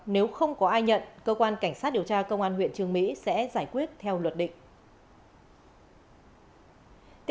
nếu không có ai nhận cơ quan cảnh sát điều tra công an huyện trường mỹ sẽ giải quyết theo luật định